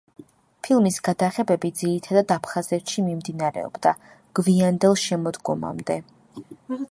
ფილმის გადაღებები ძირითადად აფხაზეთში მიმდინარეობდა, გვიანდელ შემოდგომამდე.